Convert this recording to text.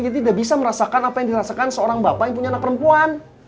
jadi tidak bisa merasakan apa yang dirasakan seorang bapak yang punya anak perempuan